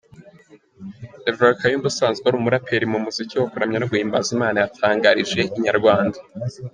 Rev Kayumba usanzwe ari umuraperi mu muziki w kuramya no guhimbaza Imana, yatangarije Inyarwanda.